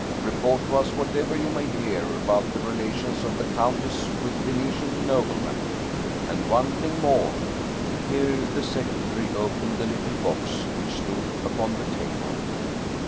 Report to us whatever you may hear about the relations of the countess with Venetian noblemen. And one thing more," here the sec retary opened a little box which stood upon the table.